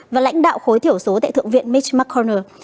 và lãnh đạo khối thiểu số tại thượng viện mitch mcconnell